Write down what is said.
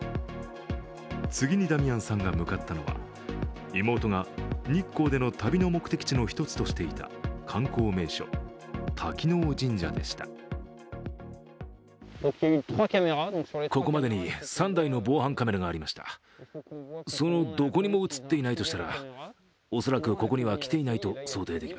次にダミアンさんが向かったのは妹が日光での旅の目的の一つとしていた観光名所、滝尾神社でした。